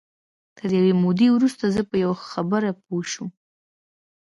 تر یوې مودې وروسته زه په یوه خبره پوه شوم